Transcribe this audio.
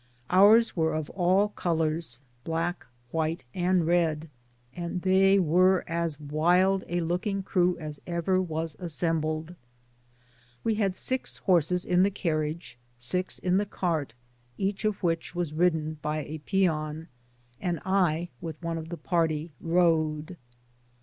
Ours were of all colours, black, white, and red; and they were as wild a looking crew Digitized byGoogk MODE OF TBAVELLIXG, 45 US ever was assembled. We^had six horses in the carriage, six in the cart, each of which was ridden by a peon, and I, with pne of the party, rode.